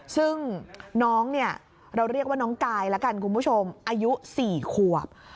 ซึ่งน้องเราเรียกว่าน้องกายละกันคุณผู้ชมอายุสี่ขวบ